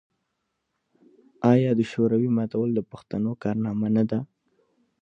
آیا د شوروي ماتول د پښتنو کارنامه نه ده؟